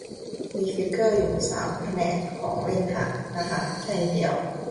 มีฟิกเกอร์อยู่ชั้นสามแผนกของเล่นนะฮะ แต่นิดเดียว